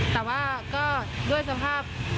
แต่ว่าก็ด้วยสภาพ